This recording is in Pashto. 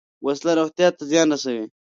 وسله روغتیا ته زیان رسوي